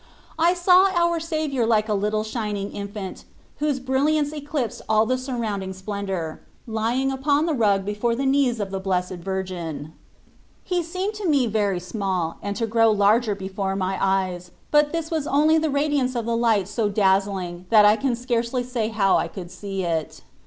I saw Our Saviour like a little shining infant, whose brilliance eclipsed all the surrounding splendour, lying upon the rug before the knees of the Blessed <S>ur Xorfc 3esus Cbttst. 85 Virgin. He seemed to me very small, and to grow larger before my eyes ; but this was only the radiance of a light so dazzling that I can scarcely say how I could see it.